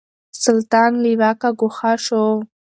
سلطان له واکه ګوښه شو.